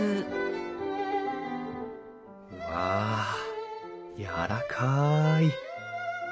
うわやわらかい！